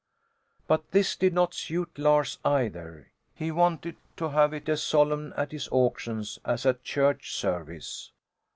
But this did not suit Lars, either. He wanted to have it as solemn at his auctions as at a church service.